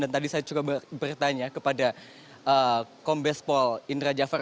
tadi saya coba bertanya kepada kombes pol indra jafar